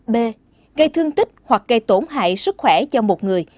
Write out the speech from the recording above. b gây thương tích hoặc gây tổn hại sức khỏe cho một người